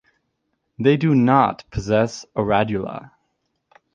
They do not possess a radula.